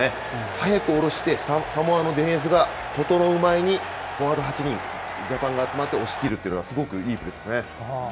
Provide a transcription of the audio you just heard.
速く下ろして、サモアのディフェンスが整う前にフォワード８人、ジャパンが集まって押し切るというのはすごくいいプレーですね。